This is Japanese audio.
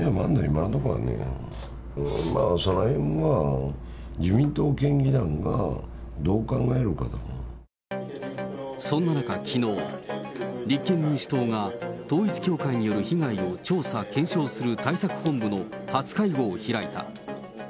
今のところはね、そのへんもまあ、そんな中、きのう、立憲民主党が統一教会による被害を調査・検証する対策本部の初会合を開いた。